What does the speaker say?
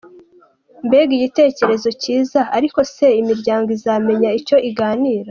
"Mbega igitekerezo cyiza, ariko se imiryango izamenya icyo iganira?".